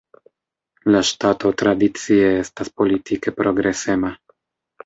La ŝtato tradicie estas politike progresema.